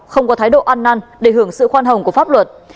không có thái độ ăn năn để hưởng sự khoan hồng của pháp luật